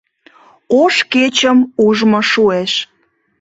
Ош кечым ужмо шуэш...